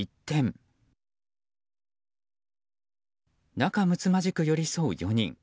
仲むつまじく寄り添う４人。